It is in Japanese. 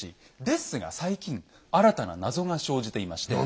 ですが最近新たな謎が生じていまして。